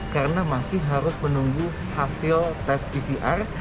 karena masih harus menunggu hasil tes pcr